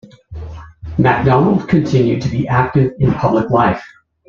Macdonald continued to be active in public life.